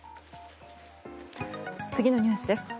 次のニュースです。